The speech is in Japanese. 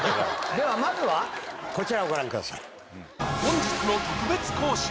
ではまずはこちらをご覧ください。